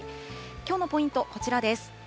きょうのポイント、こちらです。